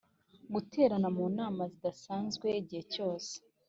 guterana mu nama zidasanzwe igihe cyose